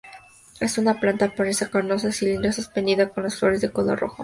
Es una planta perenne carnosa, cilíndrica-suspendida y con las flores de color rojo.